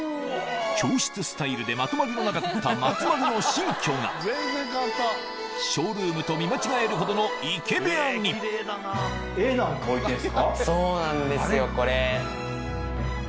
教室スタイルでまとまりのなかった松丸の新居がショールームと見間違えるほどのイケ部屋にそうなんですよこれ。